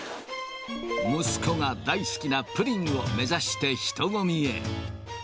息子が大好きなプリンを目指して、人混みへ。